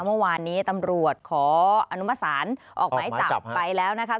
เมื่อวานนี้ตำรวจขออนุมสารออกหมายจับไปแล้วนะคะ